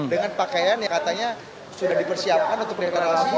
dengan pakaian yang katanya sudah dipersiapkan untuk rekreasi